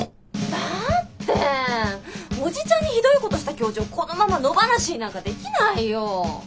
だっておじちゃんにひどいことした教授をこのまま野放しになんかできないよ！